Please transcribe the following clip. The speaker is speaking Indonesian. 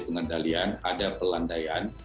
pengendalian ada pelandaian